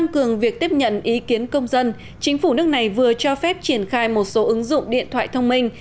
cường việc tiếp nhận ý kiến công dân chính phủ nước này vừa cho phép triển khai một số ứng dụng điện thoại thông minh